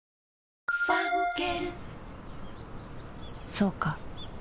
そうか